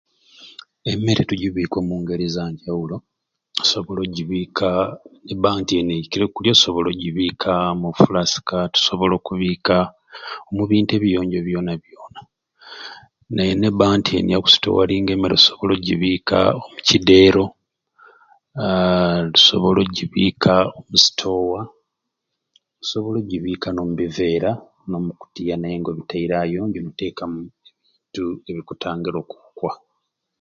Emmere tugibika omungeri ezanjawulo tukusobola okugibika neba nti eni eikire ogirya tusobola ogibika omu flask tusobola okugibika omu bintu ebyabuyonjo byona byona naye nebba nti ya kusitowaringa emmere okusobola okugibika omu kideero haaa tukusobola ogibika omu store tusobola ogibika n'obibiveera ne bikutiya Nate nga obiterye oyonjo nobiteka omu bintu ebikutangira okuwukwa